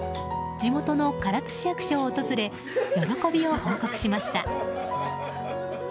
地元の唐津市役所を訪れ喜びを報告しました。